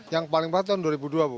yang paling berat tahun dua ribu dua bu